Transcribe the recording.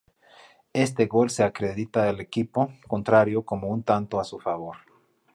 Este gol se acredita al equipo contrario como un tanto a su favor.